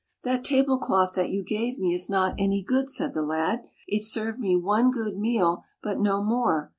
" That table cloth that you gave me is not any good/^ said the lad. " It served me one good meal, but no more.